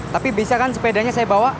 tapi bisa kan sepedanya saya bawa